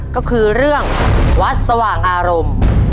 ก็คือเรื่องวัดสว่างอารมณ์